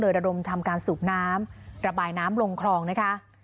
ระดมทำการสูบน้ำระบายน้ำลงคลองนะคะ